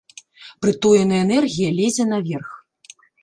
Прытоеная энергія лезе наверх.